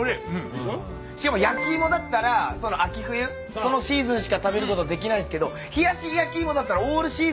しかも焼き芋だったら秋冬そのシーズンしか食べることできないんすけど冷やし焼き芋だったらオールシーズン食べることできるからね。